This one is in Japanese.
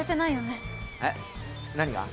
えっ？何が？